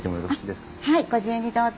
はいご自由にどうぞ。